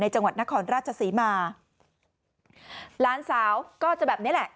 จังหวัดนครราชศรีมาหลานสาวก็จะแบบเนี้ยแหละ